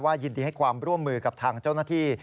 ยินดีให้ความร่วมมือกับทางเจ้าหน้าที่